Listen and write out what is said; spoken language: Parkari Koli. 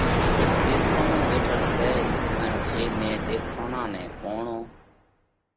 هيڪ ۮيوَٿونو ٻيٺل سئہ ان جي مئين ۮيوَٿونا نئہ پوڻو